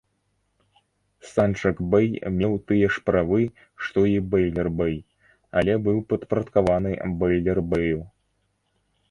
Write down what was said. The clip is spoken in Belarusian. Санджак-бей меў тыя ж правы, што і бейлер-бей, але быў падпарадкаваны бейлер-бею.